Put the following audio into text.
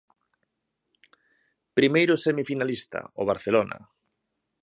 Primeiro semifinalista, o Barcelona.